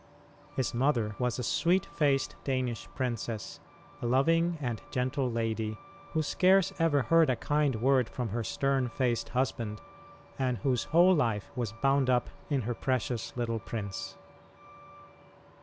His mother was a sweet faced Danish princess, a loving and gentle lady, who scarce ever heard a kind word from her stern faced husband, and whose whole life was bound up in her precious little prince.